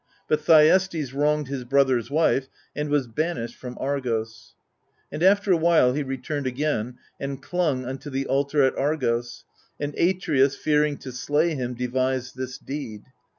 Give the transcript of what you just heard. But Thyestes wronged his brother's wife, and was banished from Argos. And after a while he returned again, and clung unto the altar at Argos ; and Atreus, fearing to slay him, devised this deed.